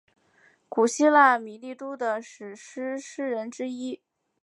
古希腊米利都的史诗诗人之一。